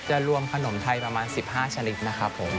จะรวมขนมไทยประมาณสิบห้าชนิดนะครับผม